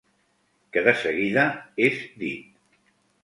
Que de seguida és dit.